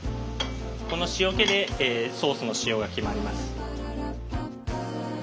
この塩気でソースの塩が決まります。